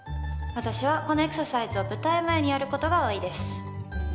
私はこのエクササイズを舞台前にやることが多いです。